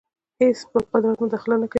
هېڅ بل قدرت مداخله نه کوي.